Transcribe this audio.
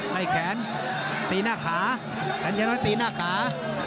ไล่แขนตีหน้าขาสัญชัยน้อยตีหน้าขา